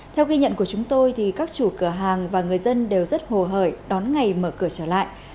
theo ghi nhận của chúng tôi thì các chủ cửa hàng và người dân đều rất hồ hởi đón ngày mở cửa trở lại